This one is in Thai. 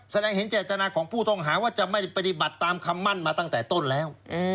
แสดงเห็นเจตนาของผู้ต้องหาว่าจะไม่ปฏิบัติตามคำมั่นมาตั้งแต่ต้นแล้ว